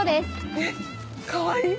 えっかわいい！